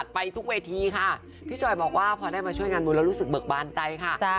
พี่จอยบอกว่าพอได้มาช่วยงานบุญเรารู้สึกบักบ้านใจค่ะ